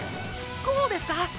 こうですか？